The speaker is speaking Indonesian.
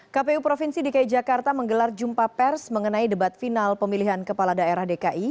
kpu provinsi dki jakarta menggelar jumpa pers mengenai debat final pemilihan kepala daerah dki